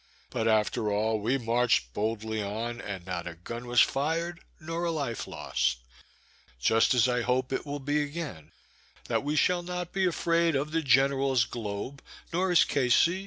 But, after all, we marched boldly on, and not a gun was fired, nor a life lost; just as I hope it will be again, that we shall not be afraid of the general's Globe, nor his K. C.